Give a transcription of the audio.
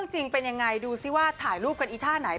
จริงเป็นยังไงดูซิว่าถ่ายรูปกันอีท่าไหน